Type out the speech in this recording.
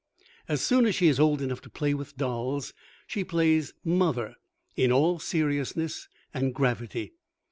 As soon as she is old enough to play with dolls, she plays mother in all seriousness and gravity.